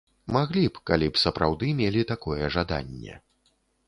Маглі б, калі б сапраўды мелі такое жаданне.